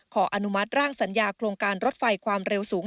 อนุมัติร่างสัญญาโครงการรถไฟความเร็วสูง